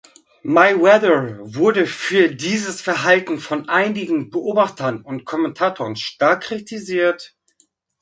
Mayweather wurde für dieses Verhalten von einigen Beobachtern und Kommentatoren stark kritisiert.